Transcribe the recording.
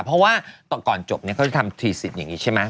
เพราะว่าก่อนจบเขาจะทำที๑๐อย่างนี้ใช่ไหม